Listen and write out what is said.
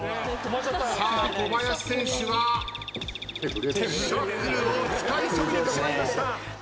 さあ小林選手はシャッフルを使いそびれてしまいました。